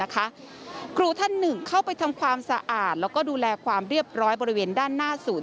ครูท่านหนึ่งเข้าไปทำความสะอาดแล้วก็ดูแลความเรียบร้อยบริเวณด้านหน้าศูนย์